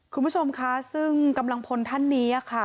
คุณผู้ชมค่ะซึ่งกำลังพลท่านนี้ค่ะ